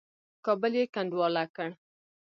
کابل یې کنډواله کړ.